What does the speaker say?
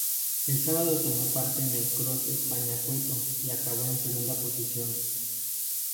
El sábado tomó parte en el Cross España Cueto y acabó en segunda posición.